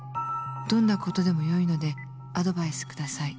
「どんなことでもよいのでアドバイス下さい」